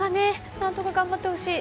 何とか頑張ってほしい。